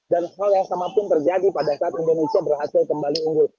dan hal yang sama pun terjadi pada saat indonesia berhasil kembali unggul